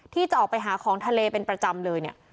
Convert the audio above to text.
ที่จะออกไปหาของทะเลเป็นประจำเลยเนี่ย